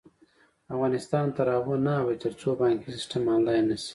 افغانستان تر هغو نه ابادیږي، ترڅو بانکي سیستم آنلاین نشي.